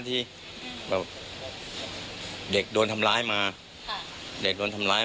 พี่สมหมายก็เลย